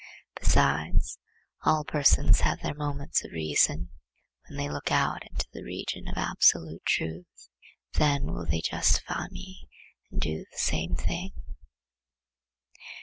Besides, all persons have their moments of reason, when they look out into the region of absolute truth; then will they justify me and do the same thing.